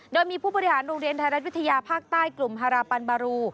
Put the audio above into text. โดยมีผู้บริหารโรงเรียนไทยรัฐวิทยาภาคใต้กลุ่มฮาราปันบารู